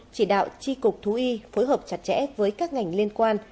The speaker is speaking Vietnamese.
chỉ đạo tri cục thú y phối hợp chặt chẽ với các ngành liên quan